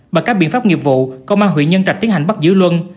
bằng các biện pháp nghiệp vụ công an huyện nhân trạch tiến hành bắt giữ luân